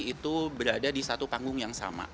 itu berada di satu panggung yang sama